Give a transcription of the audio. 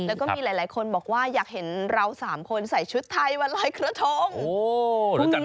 แล้วก็มีหลายคนบอกว่าอยากเห็นเราสามคนใส่ชุดไทยวันลอยกระทง